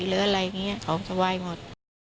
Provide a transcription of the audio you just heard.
หรืออะไรแบบเนี้ยเขาจะเว่งไว่หมด